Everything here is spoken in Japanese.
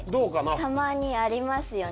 たまにありますよね。